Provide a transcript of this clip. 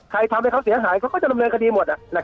ทำให้เขาเสียหายเขาก็จะดำเนินคดีหมด